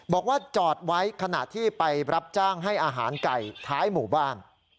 บอกว่าจอดไว้ขณะที่ไปรับจ้างให้อาหารไก่ท้ายหมู่บ้าน